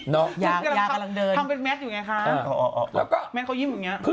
น้องทำเป็นแมทอยู่ไงคะแมทเขายิ้มอย่างนี้